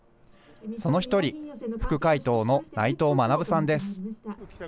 その１人、副会頭の内藤学さんです。